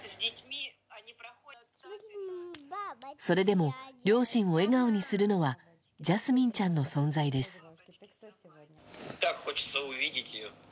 それでも両親を笑顔にするのはジャスミンちゃんの存在です。